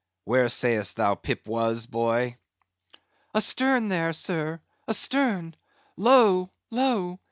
Where sayest thou Pip was, boy? "Astern there, sir, astern! Lo! lo!"